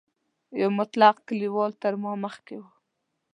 یو مطلق کلیوال تر ما مخکې و.